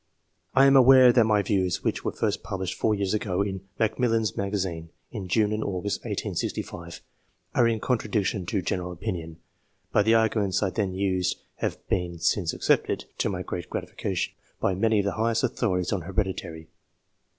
I am aware that my views, which were first published four years ago in Macmillan's Magazine (in June and August 1865), are in contradiction to general opinion ; but the arguments I then used have been since accepted, to my IE B INTRODUCTORY CHAPTER great gratification, by many of the highest authorities on heredity.